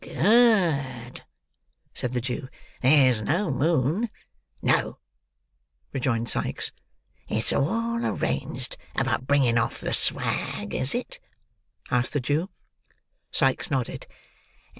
"Good," said the Jew; "there's no moon." "No," rejoined Sikes. "It's all arranged about bringing off the swag, is it?" asked the Jew. Sikes nodded.